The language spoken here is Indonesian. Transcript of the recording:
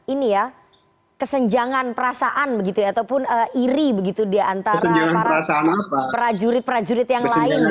ada kesenjangan perasaan atau iri diantara para prajurit prajurit yang lain